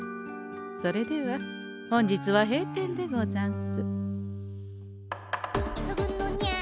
それでは本日は閉店でござんす。